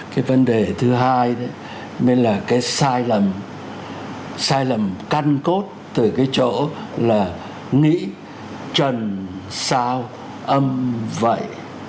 cái vấn đề thứ hai đó là cái sai lầm sai lầm can cốt từ cái chỗ là nghĩ trần sao âm vậy